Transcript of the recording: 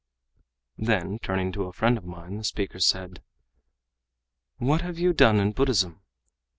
Then turning to a friend of mine the speaker said: "What have you done in Buddhism?"